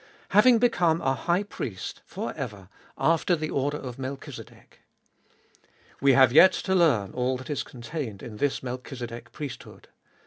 Having become a High Priest for ever after the order of Melchizedek. We have yet to learn all that is contained in this Melchizedek priesthood.